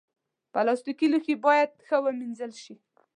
پلاستيکي لوښي باید ښه ومینځل شي.